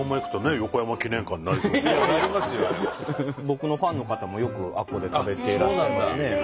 僕のファンの方もよくあっこで食べてらっしゃいますね。